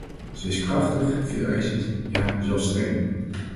Ze is krachtig, veeleisend, ja zelfs streng.